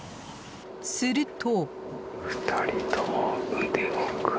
すると。